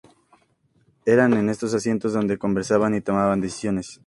Era en estos asientos donde conversaban y tomaban decisiones.